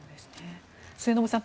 末延さん